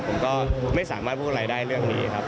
ผมก็ไม่สามารถพูดอะไรได้เรื่องนี้ครับ